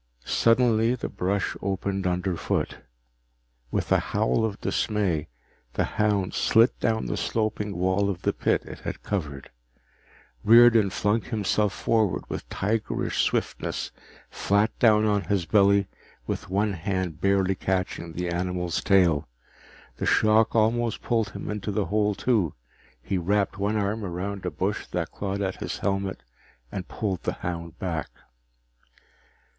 Suddenly the brush opened underfoot. With a howl of dismay, the hound slid down the sloping wall of the pit it had covered. Riordan flung himself forward with tigerish swiftness, flat down on his belly with one hand barely catching the animal's tail. The shock almost pulled him into the hole too. He wrapped one arm around a bush that clawed at his helmet and pulled the hound back.